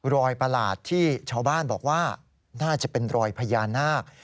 ประหลาดที่ชาวบ้านบอกว่าน่าจะเป็นรอยพญานาค